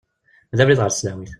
D abrid ɣer tesdawit.